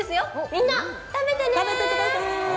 みんな、食べてね。